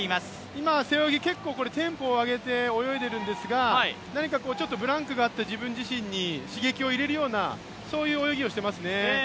今、背泳ぎ、テンポを上げて泳いでいるんですが、ブランクがあって自分に刺激を入れるような泳ぎをしてますね。